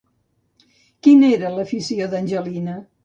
Quina era l'afició d'Angelina?